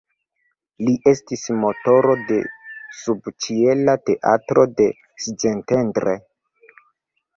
Li estis motoro de subĉiela teatro de Szentendre.